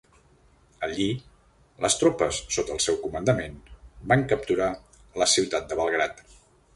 Allí, les tropes sota el seu comandament van capturar la ciutat de Belgrad.